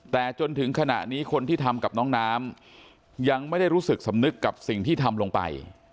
แต่จนถึงขณะนี้คนที่ทำกับน้องน้ำยังไม่ได้รู้สึกสำนึกกับสิ่งที่ทำลงไป